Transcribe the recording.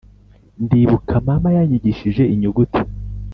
ndibuka mama yanyigishije inyuguti.